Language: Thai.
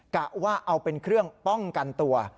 กะว่าเอาเป็นเครื่องป้องกันตัว